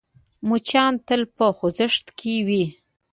مچان تل په خوځښت کې وي